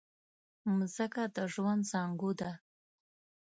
مځکه د ژوند زانګو ده.